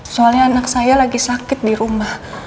soalnya anak saya lagi sakit di rumah